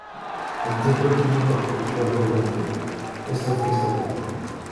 El templo tiene un papel clave durante esta fiesta popular.